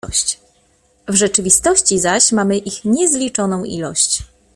"W rzeczywistości zaś mamy ich niezliczoną ilość."